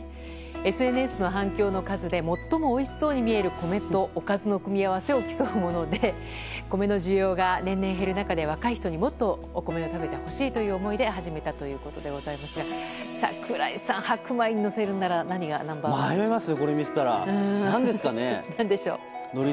ＳＮＳの反響の数で最もおいしそうに見える米とおかずの組み合わせを競うもので米の需要が年々減る中で若い人に、もっと米を食べてほしいという思いで始めたということですが櫻井さん、白米にのせるなら何がナンバー１ですか？